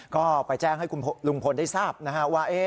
ก็ไปแจ้งให้ลุงพลได้ทราบนะฮะว่า